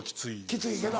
きついけど。